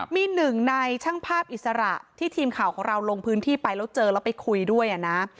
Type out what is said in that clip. มีหนึ่งในช่างภาพอิสระที่ทีมข่าวของเราลงพื้นที่ไปแล้วเจอแล้วไปคุยด้วยนะ